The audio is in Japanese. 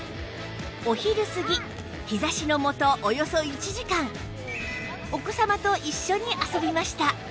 お昼過ぎ日差しの下およそ１時間お子様と一緒に遊びました